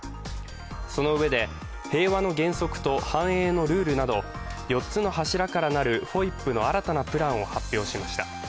そのうえで、平和の原則と繁栄のルールなど４つの柱からなるＦＯＩＰの新たなプランを発表しました。